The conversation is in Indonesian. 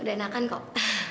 udah enakan kok